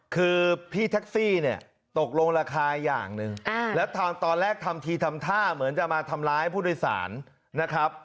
คือพี่แท็กซี่เนี่ยตกลงราคาอย่างหนึ่งแล้วตอนแรกทำทีทำท่าเหมือนจะมาทำร้ายผู้โดยสารนะครับ